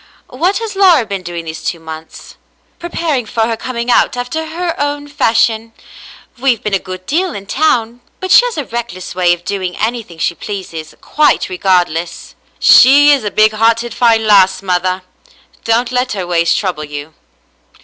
What has Laura been doing these two months ?" "Preparing for her coming out after her own fashion. We've been a good deal in town, but she has a reckless way of doing anything she pleases, quite regardless." "She is a big hearted fine lass, mother. Don't let her ways trouble you."